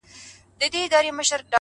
اې ه سترگو کي کينه را وړم’